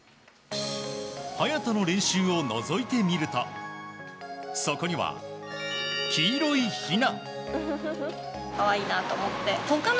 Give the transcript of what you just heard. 早田の練習をのぞいてみるとそこには黄色いひな。